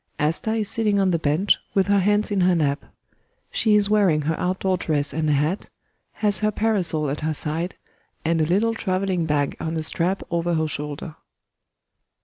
] [ASTA is sitting on the bench, with her hands in her lap. She is wearing her outdoor dress and a hat, has her parasol at her side, and a little travelling bag on a strap over her shoulder.